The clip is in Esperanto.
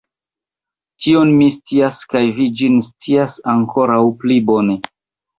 Tion mi scias, kaj vi ĝin scias ankoraŭ pli bone!